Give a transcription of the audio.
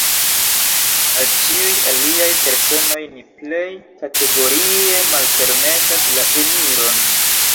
Al ĉiuj aliaj personoj ni plej kategorie malpermesas la eniron.